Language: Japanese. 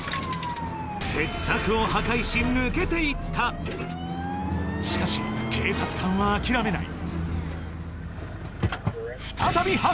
鉄柵を破壊し抜けていったしかし警察官は諦めない